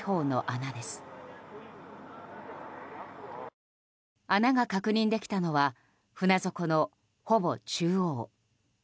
穴が確認できたのは船底の、ほぼ中央。